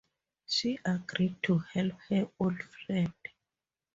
She agreed to help her old friend.